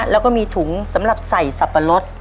แล้วก็มีถุงสำหรับใส่สับปะรด